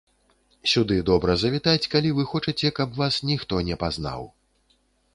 Сюды добра завітаць, калі вы хочаце, каб вас ніхто не пазнаў.